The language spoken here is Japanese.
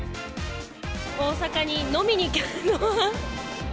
大阪に飲みに行きます。